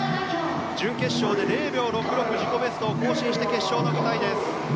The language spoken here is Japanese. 準決勝で０秒６６自己ベストを更新して決勝の舞台。